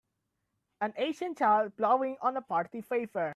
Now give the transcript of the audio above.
An asian child blowing on a party favor.